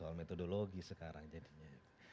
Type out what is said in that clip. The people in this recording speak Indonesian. soal metodologi sekarang jadinya